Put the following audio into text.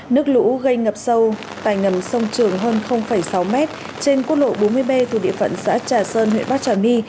nước lũ gây ngập sâu tại ngầm sông trường hơn sáu m trên quốc lộ bốn mươi b thủ địa phận xã trà sơn huyện bắc trả my